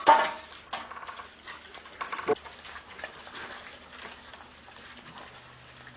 สวัสดีทุกคน